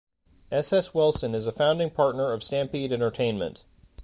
S. S. Wilson is a founding partner of Stampede Entertainment.